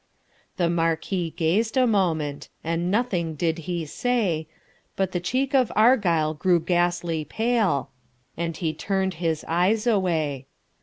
The Marquis gaz'd a moment, And nothing did he say, But the cheek of Argyle grew ghastly paleAnd he turn'd his eyes away.